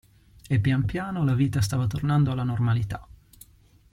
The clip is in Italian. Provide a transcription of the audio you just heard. E pian piano la vita stava tornando alla normalità.